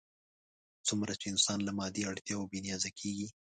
څومره چې انسان له مادي اړتیاوو بې نیازه کېږي.